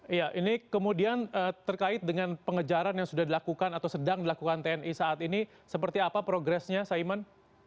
iya ini kemudian terkait dengan pengejaran yang sudah dilakukan atau sedang dilakukan tni saat ini seperti apa progresnya saiman